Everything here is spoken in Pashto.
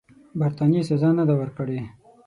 برټانیې سزا نه ده ورکړې.